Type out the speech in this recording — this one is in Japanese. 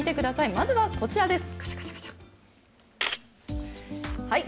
まずはこちらです。